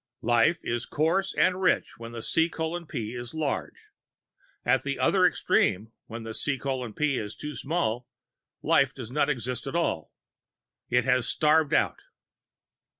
Life is coarse and rich where C:P is large. At the other extreme, where C:P is too small, life does not exist at all. It has starved out.